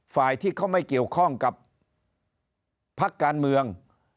ฝ่ายที่เขาไม่เกี่ยวข้องกับพักการเมือง